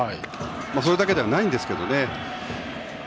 それだけではないんですけどね。